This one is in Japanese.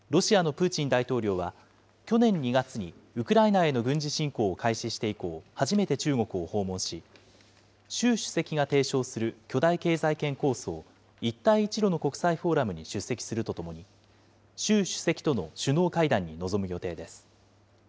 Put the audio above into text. ロシアのプーチン大統領は、去年２月にウクライナへの軍事侵攻を開始して以降、初めて中国を訪問し、習主席が提唱する巨大経済圏構想、一帯一路の国際フォーラムに出席するとともに、習主席との首脳会談に臨む予定です。